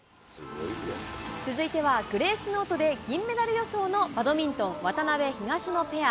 続いてはグレースノートで銀メダル予想のバドミントン、渡辺・東野ペア。